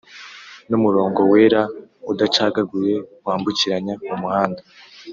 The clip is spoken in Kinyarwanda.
N’umurongo wera udacagaguye wambukiranya umuhanda